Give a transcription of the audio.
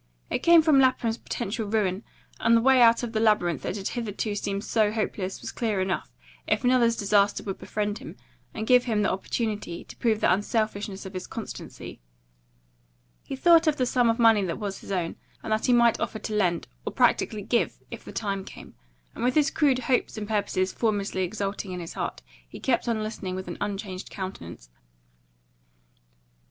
It came from Lapham's potential ruin; and the way out of the labyrinth that had hitherto seemed so hopeless was clear enough, if another's disaster would befriend him, and give him the opportunity to prove the unselfishness of his constancy. He thought of the sum of money that was his own, and that he might offer to lend, or practically give, if the time came; and with his crude hopes and purposes formlessly exulting in his heart, he kept on listening with an unchanged countenance.